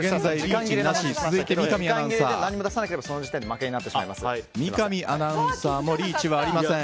時間切れで何も出さなければその時点で三上アナウンサーもリーチはありません。